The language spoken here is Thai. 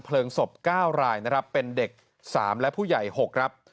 เพลิงศพเก้ารายนะครับเป็นเด็กสามและผู้ใหญ่หกครับ